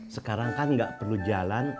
sekarang kan nggak perlu jalan